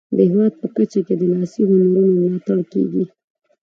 د هیواد په کچه د لاسي هنرونو ملاتړ کیږي.